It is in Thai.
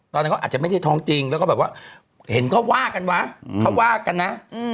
ตอนนั้นเขาอาจจะไม่ได้ท้องจริงแล้วก็แบบว่าเห็นเขาว่ากันวะเขาว่ากันนะ